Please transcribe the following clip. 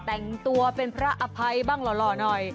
แต่งตัวเป็นพระอภัยบ้างหล่อหน่อย